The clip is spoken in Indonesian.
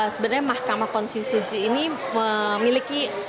sebenarnya mahkamah konstitusi ini memiliki